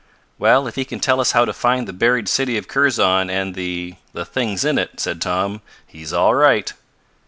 "Well, if he can tell us how to find the buried city of Kurzon and the the things in it," said Tom, "he's all right!"